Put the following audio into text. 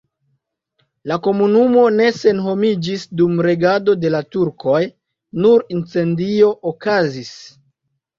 La komunumo ne senhomiĝis dum regado de la turkoj, nur incendio okazis.